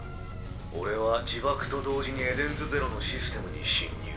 俺は自爆と同時にエデンズゼロのシステムに侵入。